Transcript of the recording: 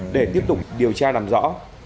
để tiếp tục điều tra làm rõ